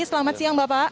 selamat siang bapak